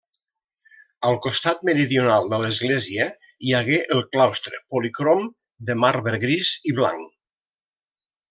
Al costat meridional de l'església hi hagué el claustre, policrom, de marbre gris i blanc.